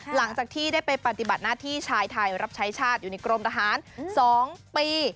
หลังจากที่ได้ไปปฏิบัติหน้าที่ชายไทยรับใช้ชาติอยู่ในกรมทหาร๒ปี